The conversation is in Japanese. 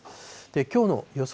きょうの予想